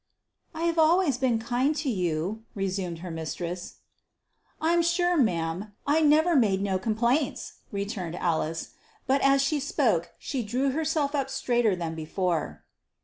"I have always been kind to you," resumed her mistress. "I'm sure, ma'am, I never made no complaints!" returned Alice, but as she spoke she drew herself up straighter than before.